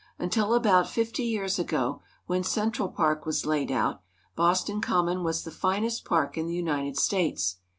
Until about fifty years ago, when Central Park was laid out, Boston Com mon was the finest park in the United States.